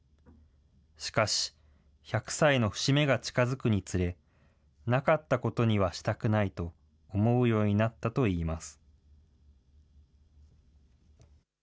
しかし、１００歳の節目が近づくにつれ、なかったことにはしたくないと思うようになったといいます。